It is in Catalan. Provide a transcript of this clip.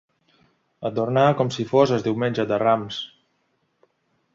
Adornar com si fos el Diumenge de Rams.